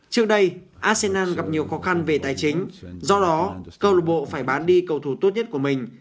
trước đây arsen gặp nhiều khó khăn về tài chính do đó câu lục bộ phải bán đi cầu thủ tốt nhất của mình